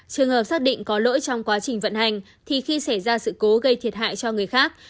trường hợp xác định có lỗi trong quá trình vận hành thì khi xảy ra sự cố gây thiệt hại cho người khác